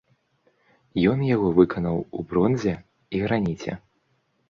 Ён яго выканаў у бронзе і граніце.